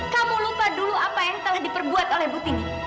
kamu lupa dulu apa yang telah diperbuat oleh putini